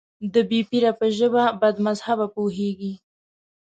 د بې پيره په ژبه بدمذهبه پوهېږي.